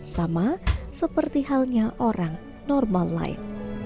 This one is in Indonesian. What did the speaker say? sama seperti halnya orang normal lain